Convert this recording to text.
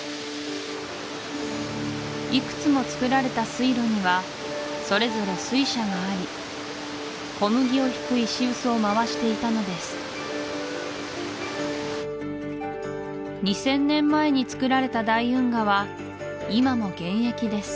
いくつもつくられた水路にはそれぞれ水車があり小麦をひく石臼を回していたのです２０００年前につくられた大運河は今も現役です